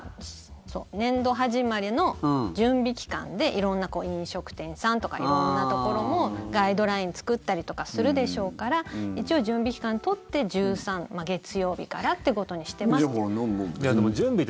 年度始まりの準備期間で色んな飲食店さんとか色んなところもガイドライン作ったりとかするでしょうから一応、準備期間取って１３、月曜日からということにしてますという。